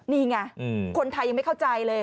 นี่ไงคนไทยยังไม่เข้าใจเลย